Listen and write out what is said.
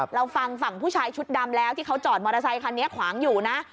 เราฟังฝั่งผู้ชายชุดดำแล้วที่เขาจอดมอเตอร์ไซคันนี้ขวางอยู่นะ